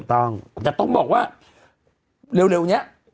แต่ต้องบอกว่าเร็วเนี่ย